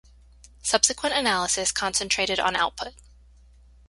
Subsequent analysis concentrated on output.